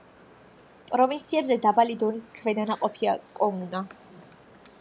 პროვინციებზე დაბალი დონის ქვედანაყოფია კომუნა.